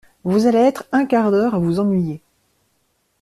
Vous allez être un quart d’heure à vous ennuyer.